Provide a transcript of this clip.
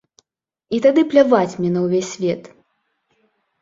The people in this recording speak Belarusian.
І тады пляваць мне на ўвесь свет.